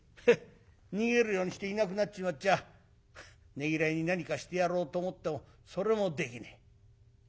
逃げるようにしていなくなっちまっちゃねぎらいに何かしてやろうと思ってもそれもできねえ。